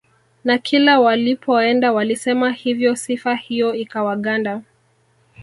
Na kila walipoenda waliwasema hivyo sifa hiyo ikawaganda